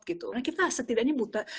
karena kita setidaknya buta